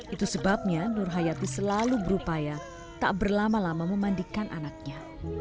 itu sebabnya nur hayati selalu berupaya tak berlama lama memandikan anaknya